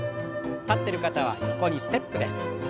立ってる方は横にステップです。